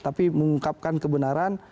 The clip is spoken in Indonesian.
tapi mengungkapkan kebenaran